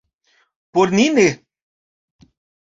Por ni ne.